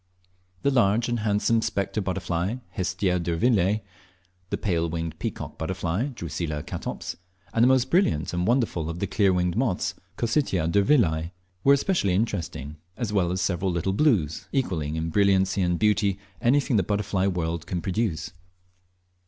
The large and handsome spectre butterfly, Hestia durvillei; the pale winged peacock butterfly, Drusilla catops; and the most brilliant and wonderful of the clear winged moths, Cocytia durvillei, were especially interesting, as well, as several little "blues," equalling in brilliancy and beauty anything the butterfly world can produce.